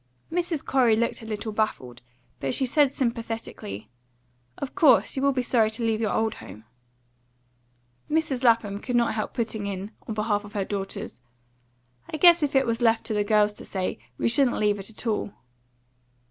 Mrs. Corey looked a little baffled, but she said sympathetically, "Of course, you will be sorry to leave your old home." Mrs. Lapham could not help putting in on behalf of her daughters: "I guess if it was left to the girls to say, we shouldn't leave it at all."